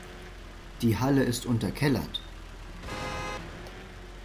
Die Halle ist unterkellert.